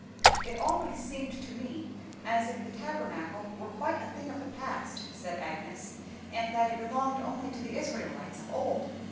"It always seemed to me as if that Tabernacle were quite a thing of the past," said Agnes, "and that it belonged only to the Israelites of old.